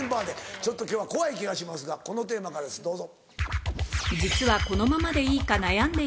ちょっと今日は怖い気がしますがこのテーマからですどうぞ。